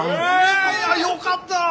いやよかった！